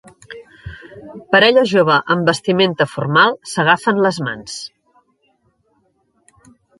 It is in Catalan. Parella jove amb vestimenta formal s'agafen les mans